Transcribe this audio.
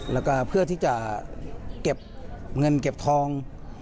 แล้วก็เพื่อที่จะเก็บเงินเก็บทอง